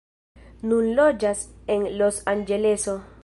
Nun loĝas en Los-Anĝeleso.